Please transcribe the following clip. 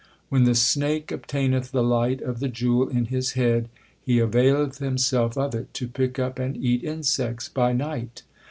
When the snake obtaineth the light of the jewel in his head, he availeth himself of it to pick up and eat insects by night.